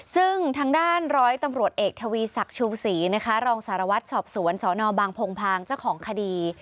ซึ่งทางด้านร้อยตำรวจเอกทวีศักดิ์ชูศรีนะคะรองสารวัตรสอบสวนสนบางพงพางเจ้าของคดี